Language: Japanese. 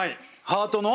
ハートの？